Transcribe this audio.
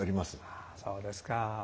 ああそうですか。